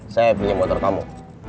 saya beli motor kamu